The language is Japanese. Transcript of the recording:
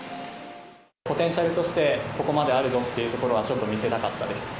ポテンシャルとして、ここまであるぞっていうところは、ちょっと見せたかったです。